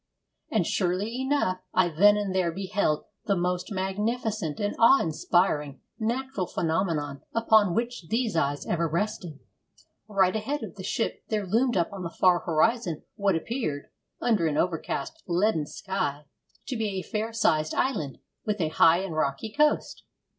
And surely enough, I then and there beheld the most magnificent and awe inspiring natural phenomenon upon which these eyes ever rested. Right ahead of the ship there loomed up on the far horizon what appeared, under an overcast, leaden sky, to be a fair sized island, with a high and rocky coast.